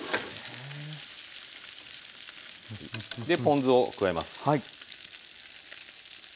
でポン酢を加えます。